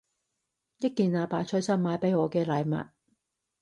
一件阿爸隨心買畀我嘅禮物